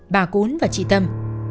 bà cún và chị tâm